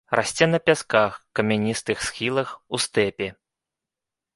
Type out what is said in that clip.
Расце на пясках, камяністых схілах, у стэпе.